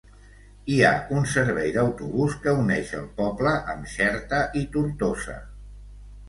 Hi ha un servei d'autobús que uneix el poble amb Xerta i Tortosa.